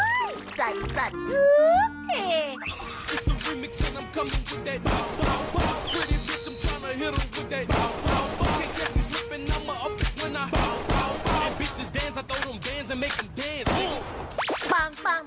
โอ้โฮใจสัตว์เท่าไหร่